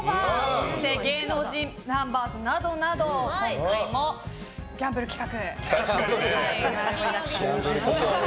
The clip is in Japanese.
そして芸能人ナンバーズなどなど今回もギャンブル企画。